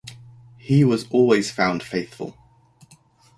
He was always found faithful.